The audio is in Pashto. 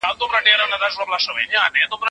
له پېښو سره رښتینی تعامل وکړئ.